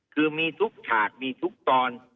คือมีทุกฉากมีทุกตอน